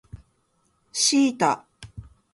シータ